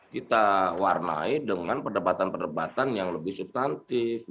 kita warnai dengan perdebatan perdebatan yang lebih substantif